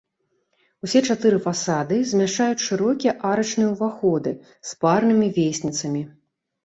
Усе чатыры фасады змяшчаюць шырокія арачныя ўваходы з парнымі весніцамі.